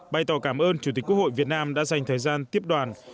bày tỏ cảm ơn chủ tịch quốc hội việt nam đã dành thời gian tiếp đoàn